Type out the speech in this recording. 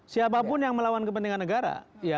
siapapun yang melawan kepentingan negara